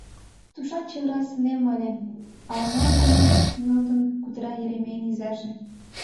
Тушан чеверласынем ыле... — ала-молан кумыл нӧлтын кутыра Еремейын изаже.